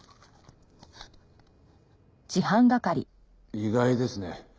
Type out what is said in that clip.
意外ですね。